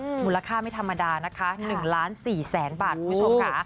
มูลค่าไม่ธรรมดานะคะ๑ล้านสี่แสนบาทคุณผู้ชมค่ะ